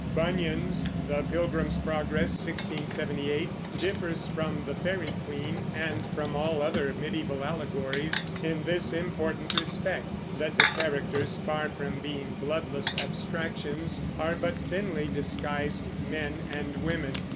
Bunyan's The Pilgrim's Progress (1678) differs from the Faery Queen, and from all other mediæval allegories, in this important respect, that the characters, far from being bloodless abstractions, are but thinly disguised men and women.